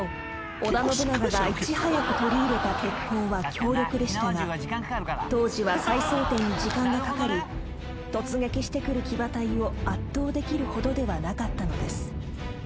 織田信長がいち早く取り入れた鉄砲は強力でしたが当時は再装填に時間がかかり突撃してくる騎馬隊を圧倒できるほどではなかったのです］